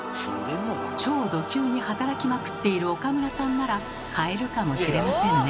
超ド級に働きまくっている岡村さんなら買えるかもしれませんね。